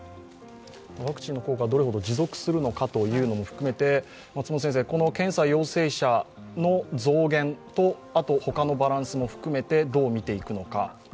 ワクチンの効果がどれほど持続するのかも含めて、この検査陽性者の増減と他のバランスも含めてどう見ていくのか。